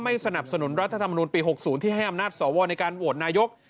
สนับสนุนรัฐธรรมนุนปี๖๐ที่ให้อำนาจสวในการโหวตนายก